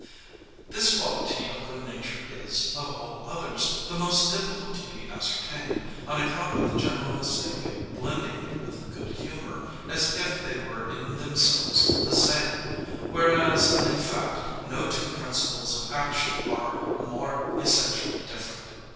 "This quality of good nature is, of all others, the most difficult to be ascertained, on account of the general mistake of blending it with good humor, as if they were in themselves the same; whereas, in fact, no two principles of action are more essentially different.